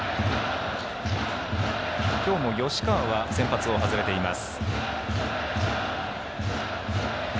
今日も吉川は先発を外れています。